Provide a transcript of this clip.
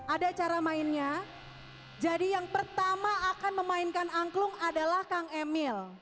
ada cara mainnya jadi yang pertama akan memainkan angklung adalah kang emil